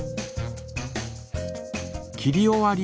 切り終わり。